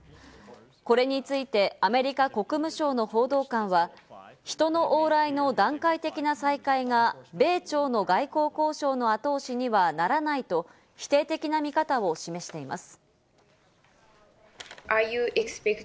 これについてアメリカ国務省の報道官は人の往来の段階的な再開が米朝の外交交渉の後押しにはならないと否定的な見方を示しています。